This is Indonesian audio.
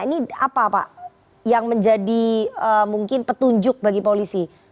ini apa pak yang menjadi mungkin petunjuk bagi polisi